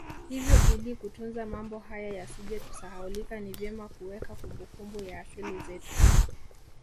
Hivyo ili kutunza mambo haya yasije kusahaulika ni vyema kuweka kumbukumbu ya asili zetu